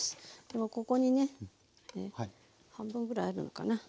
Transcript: でもここにね半分ぐらいあるのかな。